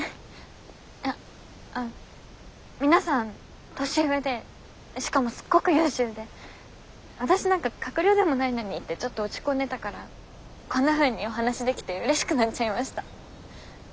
いや皆さん年上でしかもすっごく優秀で私なんか閣僚でもないのにってちょっと落ち込んでたからこんなふうにお話しできてうれしくなっちゃいました。